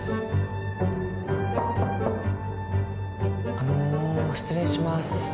・あのー失礼します。